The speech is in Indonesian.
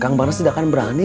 kang barres tidak akan berani